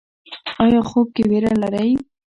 ایا خوب کې ویره لرئ؟